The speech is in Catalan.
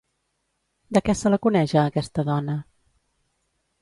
De què se la coneix a aquesta dona?